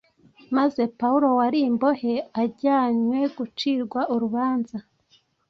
maze Pawulo wari imbohe ajyanwe gucirwa urubanza